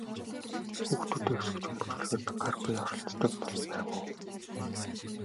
Хүүхдүүдээ өсгөж хүмүүжүүлэхэд гар бие оролцдог байв уу?